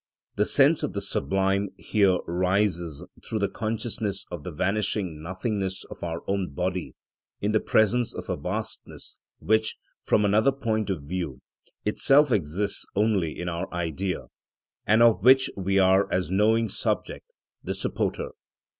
The sense of the sublime here arises through the consciousness of the vanishing nothingness of our own body in the presence of a vastness which, from another point of view, itself exists only in our idea, and of which we are as knowing subject, the supporter.